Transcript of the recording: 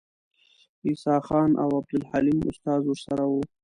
عیسی خان او عبدالحلیم استاد ورسره وو.